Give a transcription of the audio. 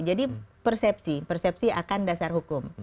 jadi persepsi akan dasar hukum